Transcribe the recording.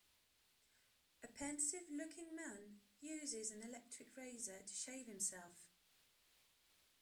A pensive looking man uses an electric razor to shave himself.